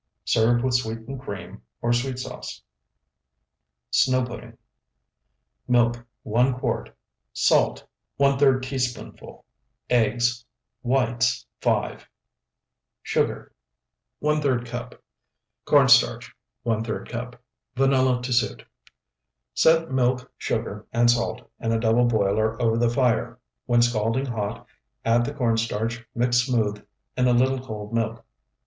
Serve with sweetened cream or sweet sauce. SNOW PUDDING Milk, 1 quart. Salt, ⅓ teaspoonful. Eggs, whites, 5. Sugar, ⅓ cup. Corn starch, ⅓ cup. Vanilla to suit. Set milk, sugar, and salt in double boiler over the fire; when scalding hot, add the corn starch mixed smooth in a little cold milk.